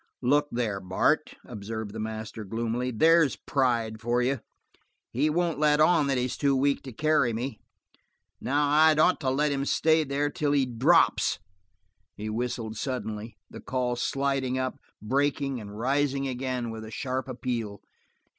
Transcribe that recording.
"Look there, Bart," observed the master gloomily. "There's pride for you. He won't let on that he's too weak to carry me. Now I'd ought to let him stay there till he drops." He whistled suddenly, the call sliding up, breaking, and rising again with a sharp appeal.